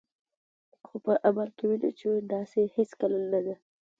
خو په عمل کې وینو چې داسې هیڅکله نه ده.